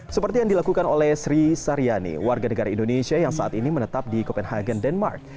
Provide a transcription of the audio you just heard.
seperti yang dilakukan oleh sri saryani warga negara indonesia yang saat ini menetap di copenhagen denmark